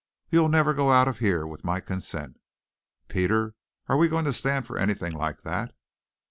"You'll never go out of here with my consent. Peter, are we going to stand for anything like that?"